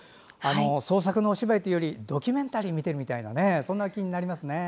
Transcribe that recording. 創作のお芝居というよりドキュメンタリーを見ているみたいなそんな気になりますね。